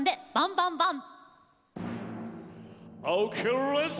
「バン・バン・バン」！